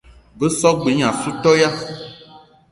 Be so g-beu gne assou toya.